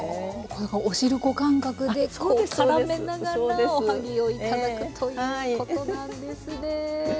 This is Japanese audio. こうなんかおしるこ感覚でこう絡めながらおはぎを頂くということなんですね。